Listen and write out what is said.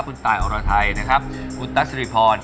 คุณตายอรไทยนะครับคุณตัชริพร